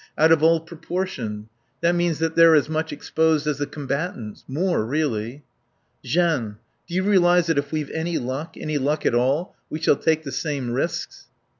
Out of all proportion. That means that they're as much exposed as the combatants. More, really.... "... Jeanne do you realise that if we've any luck, any luck at all, we shall take the same risks?"